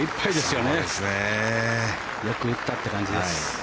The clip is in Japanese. よく打ったって感じです。